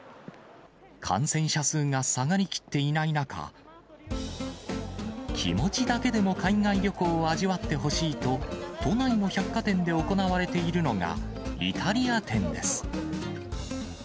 感染者数が下がりきっていない中、気持ちだけでも海外旅行を味わってほしいと、都内の百貨店で行われているのが、イタリア展です。